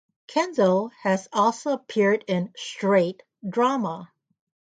Kendall has also appeared in 'straight' drama.